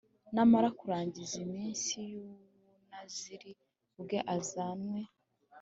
namara kurangiza iminsi y ubunaziri bwe Azanwe